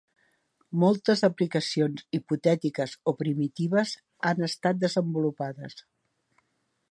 Moltes aplicacions hipotètiques o primitives han estat desenvolupades.